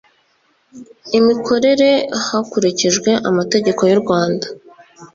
imikorere hakurikijwe amategeko y urwanda